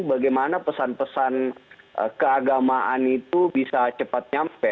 bagaimana pesan pesan keagamaan itu bisa cepat nyampe